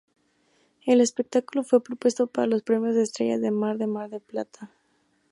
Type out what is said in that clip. El espectáculo fue propuesto para los premios Estrella de Mar de Mar del Plata.